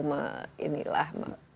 dan sedikit dari hal kita